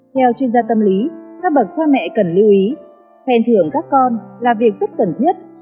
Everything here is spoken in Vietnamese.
theo chuyên gia tâm lý các bậc cha mẹ cần lưu ý khen thưởng các con là việc rất cần thiết